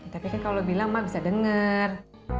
tapi kan kalau bilang emang bisa denger